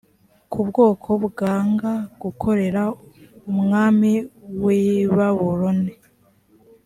ku bwoko bwanga gukorera umwami w i babuloni